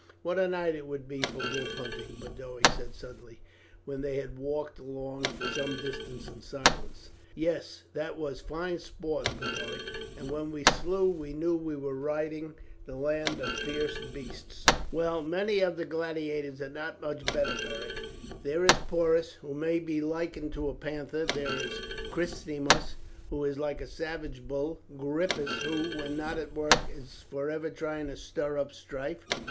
"What a night it would be for wolf hunting!" Boduoc said suddenly, when they had walked along for some distance in silence. "Yes, that was fine sport, Boduoc; and when we slew we knew we were ridding the land of fierce beasts." "Well, many of the gladiators are not much better, Beric. There is Porus, who may be likened to a panther; there is Chresimus, who is like a savage bull; Gripus, who, when not at work, is for ever trying to stir up strife.